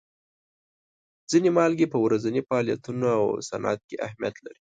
ځینې مالګې په ورځیني فعالیتونو او صنعت کې اهمیت لري.